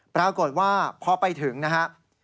ปรากฏว่าพอไปถึงนะครับ